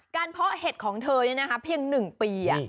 การเพาะเห็ดของเธอนี่นะคะเพียง๑ปี